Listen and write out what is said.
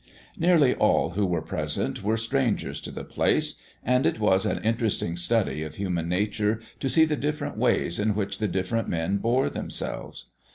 Nearly all who were present were strangers to the place, and it was an interesting study of human nature to see the different ways in which the different men bore themselves.